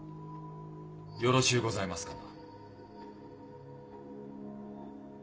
よろしうございますかな。